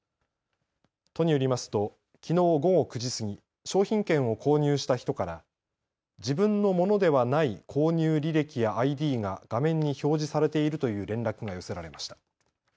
都によりますときのう午後９時過ぎ商品券を購入した人から自分のものではない購入履歴やＩＤが画面に表示されているという連絡が寄せられました。